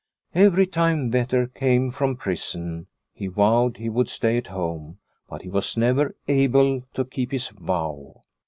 Every time Vetter came from prison he vowed he would stay at home, but he was never able to keep his vow.